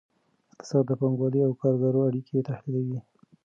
اقتصاد د پانګوالو او کارګرو اړیکې تحلیلوي.